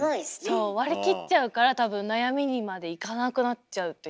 そう割り切っちゃうから多分悩みにまでいかなくなっちゃうというか。